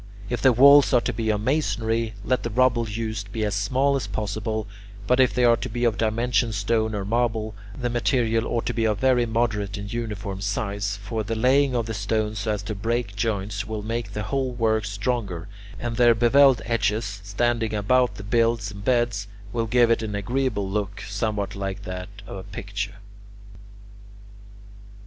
If the walls are to be of masonry, let the rubble used be as small as possible; but if they are to be of dimension stone or marble, the material ought to be of a very moderate and uniform size; for the laying of the stones so as to break joints will make the whole work stronger, and their bevelled edges, standing up about the builds and beds, will give it an agreeable look, somewhat like that of a picture.